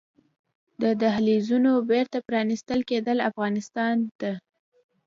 د دهلېزونو بېرته پرانيستل کیدل افغانستان ته